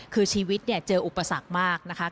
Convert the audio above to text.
คือชีวิตเนี่ยเจออุปสรรคมากนะคะ